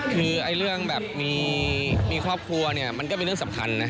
คือเรื่องแบบมีครอบครัวเนี่ยมันก็เป็นเรื่องสำคัญนะ